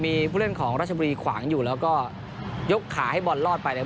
มีผู้เล่นของราชบุรีขวางอยู่แล้วก็ยกขาให้บอลรอดไปเนี่ย